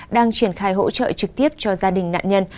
đang triển khai hỗ trợ trực tiếp cho gia đình nạn nhân